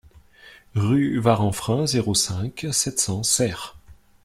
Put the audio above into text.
Rue Varanfrain, zéro cinq, sept cents Serres